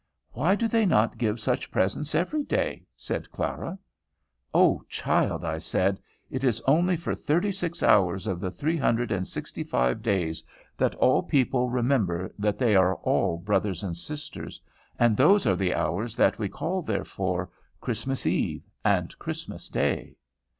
"Why do they not give such presents every day?" said Clara. "O child," I said, "it is only for thirty six hours of the three hundred and sixty five days, that all people remember that they are all brothers and sisters, and those are the hours that we call, therefore, Christmas eve and Christmas day."